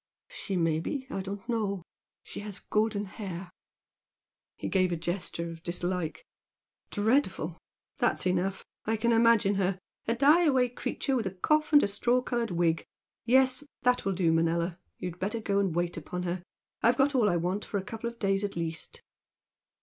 "She may be. I don't know. She has golden hair." He gave a gesture of dislike. "Dreadful! That's enough! I can imagine her, a die away creature with a cough and a straw coloured wig. Yes! that will do, Manella! You'd better go and wait upon her. I've got all I want for a couple of days at least."